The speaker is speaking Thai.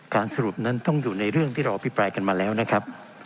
สรุปนั้นต้องอยู่ในเรื่องที่เราอภิปรายกันมาแล้วนะครับ